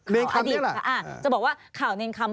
เรียนคำนี้แหละอ่าจะบอกว่าข่าวเรียนคำ